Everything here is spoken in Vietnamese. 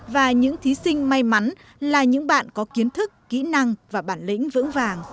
và những thí sinh may mắn là những bạn có kiến thức kỹ năng và bản lĩnh vững vàng